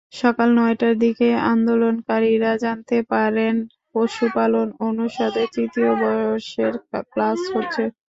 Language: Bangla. সকাল নয়টার দিকে আন্দোলনকারীরা জানতে পারেন, পশুপালন অনুষদে তৃতীয় বর্ষের ক্লাস হচ্ছে।